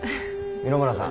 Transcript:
三野村さん。